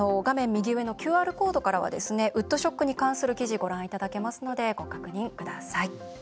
右上のＱＲコードからはウッドショックに関する記事ご覧いただけますのでご確認ください。